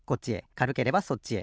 かるければそっちへ。